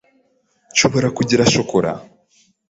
Nshobora kugira shokora?